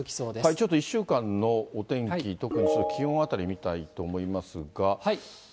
ちょっと１週間のお天気、特に気温あたり見たいと思いますが。